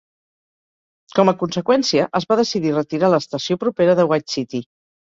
Com a conseqüència, es va decidir retirar l'estació propera de White City.